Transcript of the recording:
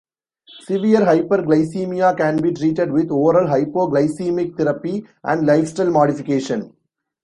Severe hyperglycemia can be treated with oral hypoglycemic therapy and lifestyle modification.